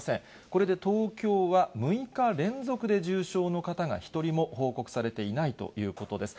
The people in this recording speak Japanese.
これで東京は、６日連続で重症の方が一人も報告されていないということです。